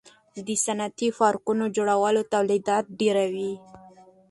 د صنعتي پارکونو جوړول تولیدات ډیروي.